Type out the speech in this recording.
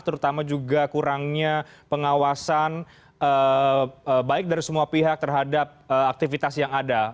terutama juga kurangnya pengawasan baik dari semua pihak terhadap aktivitas yang ada